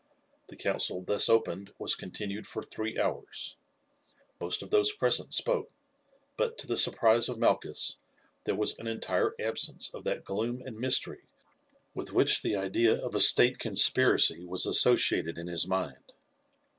The council thus opened was continued for three hours. Most of those present spoke, but, to the surprise of Malchus, there was an entire absence of that gloom and mystery with which the idea of a state conspiracy was associated in his mind.